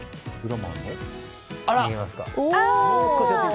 見えますか？